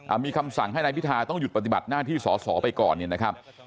มีคำสั่งให้นายพิทาต้องหยุดปฏิบัติหน้าที่สอสอไปก่อนเนี่ยนะครับ